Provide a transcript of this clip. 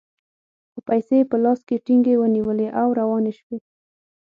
خو پیسې یې په لاس کې ټینګې ونیولې او روانې شوې.